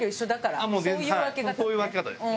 そういう分け方ね。